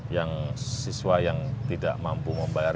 yang siswa yang tidak mampu membayar